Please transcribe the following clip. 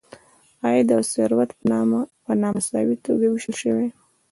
عاید او ثروت په نا مساوي توګه ویشل شوی.